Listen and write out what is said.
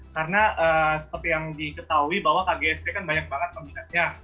karena seperti yang diketahui bahwa kgsp kan banyak banget peminatnya